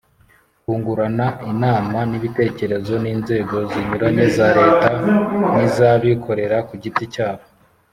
kungurana inama n'ibitekerezo n'inzego zinyuranye za leta n'iz'abikorera ku giti cyabo